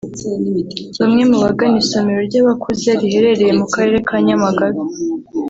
Bamwe mu bagana isomero ry’abakuze riherereye mu karere ka Nyamagabe